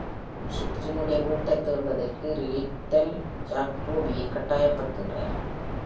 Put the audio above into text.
ஷிஃப்ரினுடைய வீட்டைத் தேடுவதற்கு, லிட்டெல், ஜாக் ரூபியை கட்டாயப்படுத்துகிறார்.